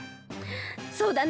そうだね。